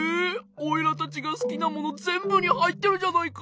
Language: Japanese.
おいらたちがすきなものぜんぶにはいってるじゃないか！